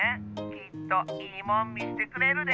きっと「いいもん」みせてくれるで。